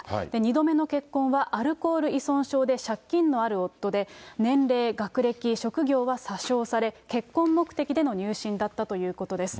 ２度目の結婚はアルコール依存症で借金のある夫で、年齢、学歴、職業は詐称され、結婚目的での入信だったということです。